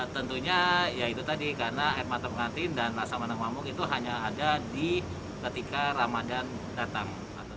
tentunya ya itu tadi karena air mata pengantin dan asam matang mamuk itu hanya ada di ketika ramadhan datang